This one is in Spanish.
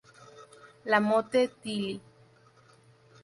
La Motte-Tilly